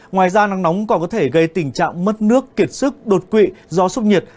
ngoài ra nắng nóng còn có thể gây tình trạng mất nước kiệt sức đột quỵ do sốc nhiệt